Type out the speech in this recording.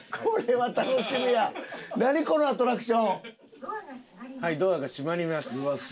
はいドアが閉まります。